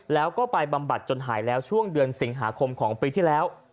แล้วก็ไปบำบัดจนหายแล้วช่วงเดือนสิงหาคมของปีที่แล้ว